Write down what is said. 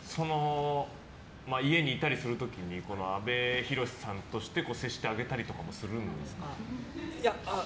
家にいたりする時に阿部寛さんとして接してあげたりとかもするんですか。